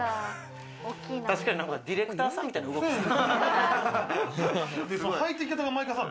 確かになんかディレクターさんみたいな動きしてる。